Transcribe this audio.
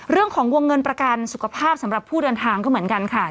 เรื่องของวงเงินประกันสุขภาพสำหรับผู้เดินทางก็เหมือนกันค่ะ